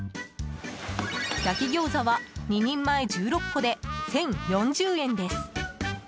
焼餃子は２人前１６個で、１０４０円です。